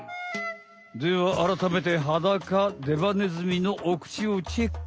ではあらためてハダカデバネズミのお口をチェック！